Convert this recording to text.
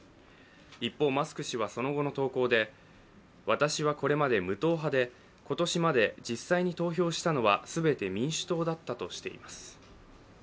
一方、マスク氏はその後の投稿で、私はこれまで無党派で今年まで実際に投票したのはすべて民主党だったとしています。